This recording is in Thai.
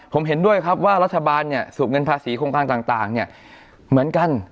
ผมเห็นด้วยครับว่ารัฐบาลสูบเงินภาษีโครงการต่างเหมือนกัน